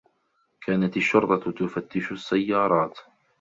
كانت الشّرطة تفتّش السّيّارات.